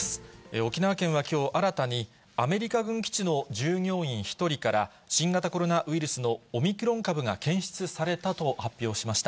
沖縄県はきょう、新たにアメリカ軍基地の従業員１人から、新型コロナウイルスのオミクロン株が検出されたと発表しました。